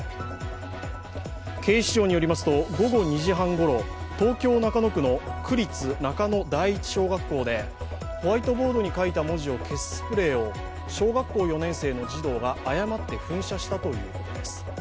警視庁によりますと、午後２時半ごろ東京・中野区の区立中野第一小学校でホワイトボードに書いた文字を消すスプレーを小学校４年生の児童が誤って噴射したということです。